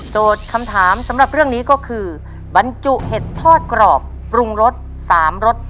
คำถามสำหรับเรื่องนี้ก็คือบรรจุเห็ดทอดกรอบปรุงรส๓รส